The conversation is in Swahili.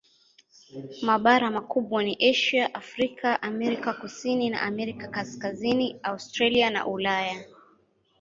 Mabara makubwa ni Asia, Afrika, Amerika Kusini na Amerika Kaskazini, Australia na Ulaya.